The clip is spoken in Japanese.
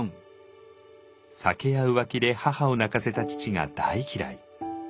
酒や浮気で母を泣かせた父が大嫌い。